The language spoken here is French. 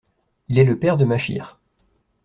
Il est le père de Machir.